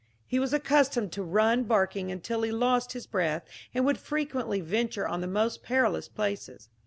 He was accustomed to run barking until he lost his breath, and would frequently venture on the most perilous places.